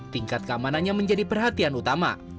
tingkat keamanannya menjadi perhatian utama